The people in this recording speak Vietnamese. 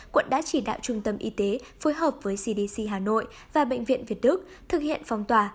quận đã chỉ đạo trung tâm y tế phối hợp với cdc hà nội và bệnh viện việt đức thực hiện phong tỏa